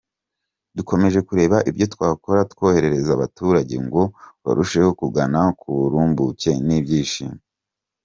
Dukomeje kureba ibyo twakora tworohereza abaturage ngo barusheho kugana ku burumbuke n’ibyishimo.